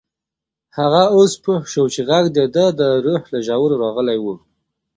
هغه اوس پوه شو چې غږ د ده د روح له ژورو راغلی و.